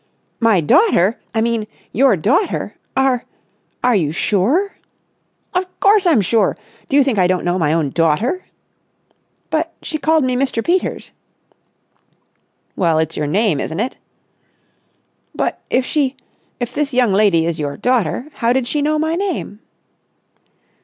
"My daughter! I mean, your daughter! Are—are you sure?" "Of course I'm sure. Do you think I don't know my own daughter?" "But she called me Mr. Peters!" "Well, it's your name, isn't it?" "But, if she—if this young lady is your daughter, how did she know my name?"